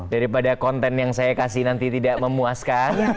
daripada konten yang saya kasih nanti tidak memuaskan